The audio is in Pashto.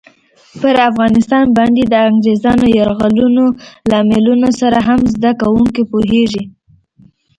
پر افغانستان باندې د انګریزانو یرغلونو لاملونو سره هم زده کوونکي پوهېږي.